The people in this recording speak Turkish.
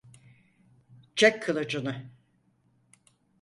Çek kılıcını!